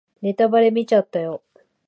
ネタバレ見ちゃったよ